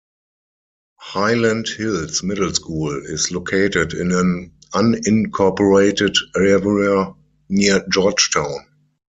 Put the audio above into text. Highland Hills Middle School is located in an unincorporated area near Georgetown.